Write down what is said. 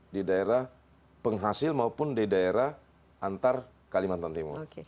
di daerah penghasil maupun di daerah antar kalimantan timur